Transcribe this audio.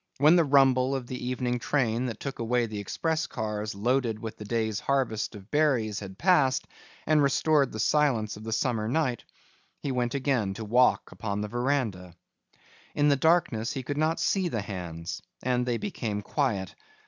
When the rumble of the evening train that took away the express cars loaded with the day's harvest of berries had passed and restored the silence of the summer night, he went again to walk upon the veranda. In the darkness he could not see the hands and they became quiet.